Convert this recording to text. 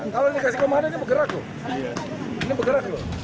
kalau dikasih komando ini bergerak loh